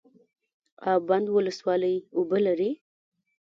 اب بند ولسوالۍ اوبه لري؟